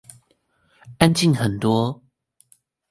安靜很多